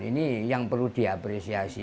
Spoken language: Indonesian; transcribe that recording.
ini yang perlu diapresiasi